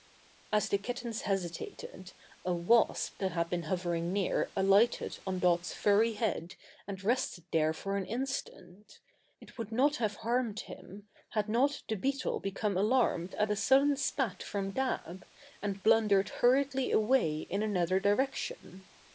As the kittens hesitated, a wasp that had been hovering near alighted on Dot's furry head and rested there for an instant. It would not have harmed him, had not the beetle become alarmed at a sudden spat from Dab, and blundered hurriedly away in another direction.